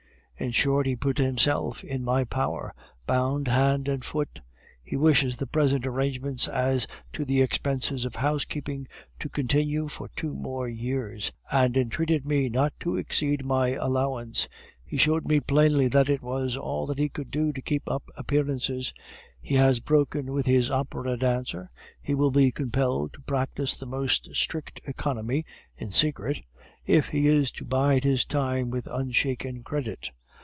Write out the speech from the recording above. In short, he put himself in my power, bound hand and foot. He wishes the present arrangements as to the expenses of housekeeping to continue for two more years, and entreated me not to exceed my allowance. He showed me plainly that it was all that he could do to keep up appearances; he has broken with his opera dancer; he will be compelled to practise the most strict economy (in secret) if he is to bide his time with unshaken credit.